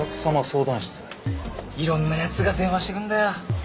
いろんなやつが電話してくんだよ。